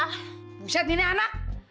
ah buset nih nih anak